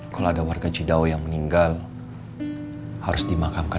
kalau ada warga cidau yang meninggal harus dimakamkan